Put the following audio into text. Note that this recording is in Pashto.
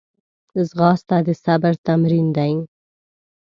ځغاسته د صبر تمرین دی